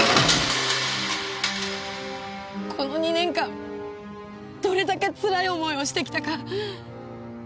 この２年間どれだけつらい思いをしてきたか。